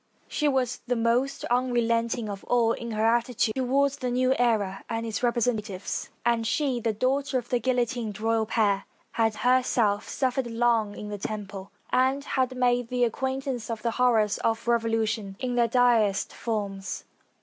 She was the most unrelenting of all in her attitude toward the new era and its representatives, and she, the daughter of the guillotined royal pair, had herself suffered long in the Temple, and had made the acquaintance of the horrors of revolution in their direst forms.